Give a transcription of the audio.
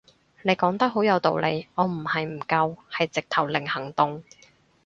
你講得好有道理，我唔係唔夠係直頭零行動